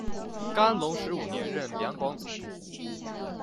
干隆十五年任两广总督。